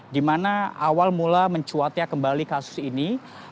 di mana awal mula mencuatnya kembali kasus ini